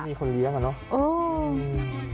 มีคนเลี้ยงอ่ะเนอะ